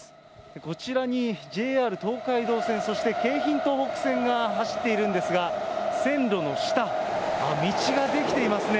こちらに、ＪＲ東海道線、そして京浜東北線が走っているんですが、線路の下、道が出来ていますね。